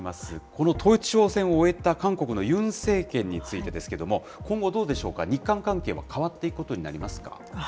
この統一選を終えた韓国のユン政権についてですけど、今後、どうでしょうか、日韓関係は変わっていくことになりますか？